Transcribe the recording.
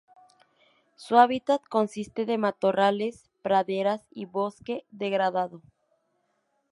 Su hábitat consiste de matorrales, praderas y bosque degradado.